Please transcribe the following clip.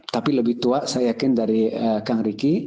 tapi lebih tua saya yakin dari kang ricky